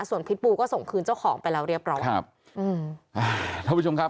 ส่วนพิษบูก็ส่งคืนเจ้าของไปแล้วเรียบร้อยครับอืมอ่าท่านผู้ชมครับ